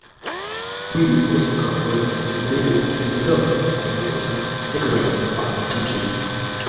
Weems also cooperated with Bolivia and Brazil and was also decorated by that countries.